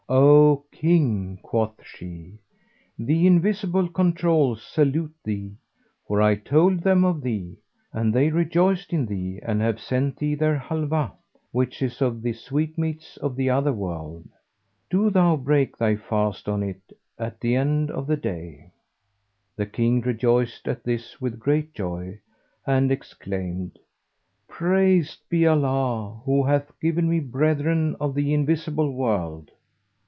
'O King,' quoth she, 'the Invisible Controuls salute thee, for I told them of thee, and they rejoiced in thee and have sent thee their Halwá,[FN#374] which is of the sweetmeats of the other world. Do thou break thy fast on it at the end of the day.' The King rejoiced at this with great joy, and exclaimed, 'Praised be Allah, who hath given me brethren of the Invisible World!'